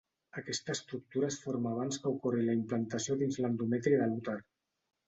Aquesta estructura es forma abans que ocorri la implantació dins l'endometri de l'úter.